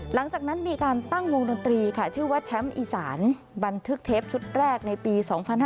หลังจากนั้นมีการตั้งวงดนตรีค่ะชื่อว่าแชมป์อีสานบันทึกเทปชุดแรกในปี๒๕๕๙